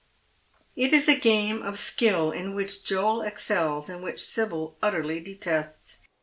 It is a game of skill in which Joel excels and which Sibyl utteriy detests.